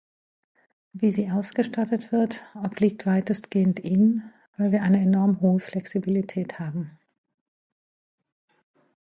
Wie sie ausgestaltet wird, obliegt weitestgehend ihnen, weil wir eine enorm hohe Flexibilität haben.